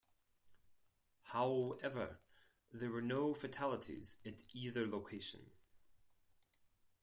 However, there were no fatalities at either location.